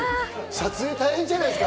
撮影大変じゃないですか？